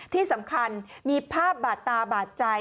ที่สำคัญมีภาพบาดตาบาดใจ